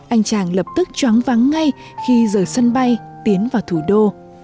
anh chàng lập tức chóng vắng ngay khi giờ sân bay tiến vào thủ đô